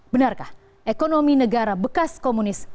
benarkah ekonomi negara bekas komunis